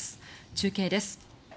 中継です。